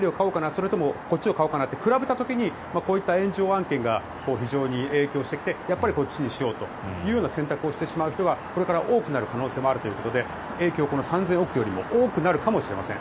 それともこっちを買おうかなと比べた時にこういった炎上案件が非常に影響してきてこっちにしようという選択をしてしまう人はこれから多くなる可能性もあるということで影響は３０００億円よりも大きくなるかもしれません。